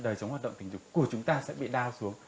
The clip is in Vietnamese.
đời sống hoạt động tình dục của chúng ta sẽ bị đa xuống